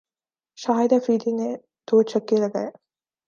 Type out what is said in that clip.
شاہد آفریدی نے دو چھکے لگائے